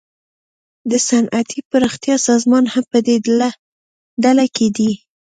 د صنعتي پراختیا سازمان هم پدې ډله کې دی